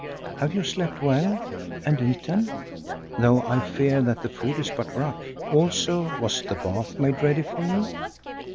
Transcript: Have you slept well? And eaten?—though I fear that the food is but rough. Also was the bath made ready for you?"